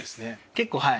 結構はい。